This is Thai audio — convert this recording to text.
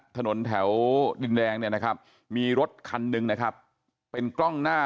ถนนแถวดินแดงเนี่ยนะครับมีรถคันหนึ่งนะครับเป็นกล้องหน้า